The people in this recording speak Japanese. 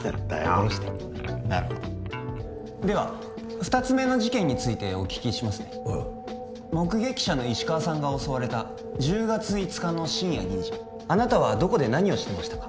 下ろしてなるほどでは２つ目の事件についてお聞きしますね目撃者の石川さんが襲われた１０月５日の深夜２時あなたはどこで何をしてましたか？